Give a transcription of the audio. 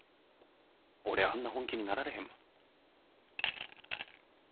俺あんな本気になられへんもん。